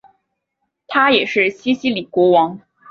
他也是西西里国王。